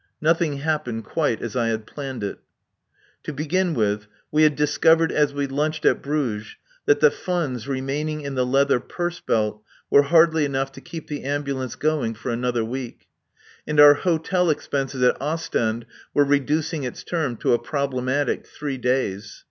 Nothing happened quite as I had planned it. To begin with, we had discovered as we lunched at Bruges that the funds remaining in the leather purse belt were hardly enough to keep the Ambulance going for another week. And our hotel expenses at Ostend were reducing its term to a problematic three days.